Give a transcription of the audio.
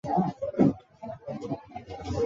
丁级联赛采取丙级联赛以前所用的旧赛制。